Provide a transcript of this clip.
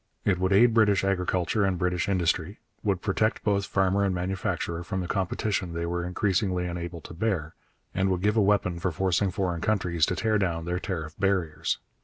It would aid British agriculture and British industry, would protect both farmer and manufacturer from the competition they were increasingly unable to bear, and would give a weapon for forcing foreign countries to tear down their tariff barriers.